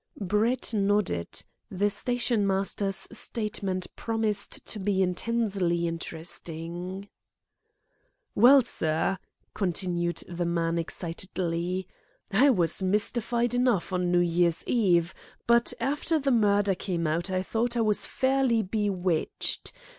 Brett nodded. The stationmaster's statement promised to be intensely interesting. "Well, sir," continued the man excitedly, "I was mystified enough on New Year's Eve, but after the murder came out I thought I was fairly bewitched.